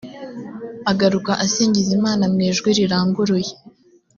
agaruka asingiza imana mu ijwi riranguruye